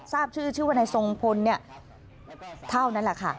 ทราบชื่อชื่อว่านายทรงพลเท่านั้นแหละค่ะ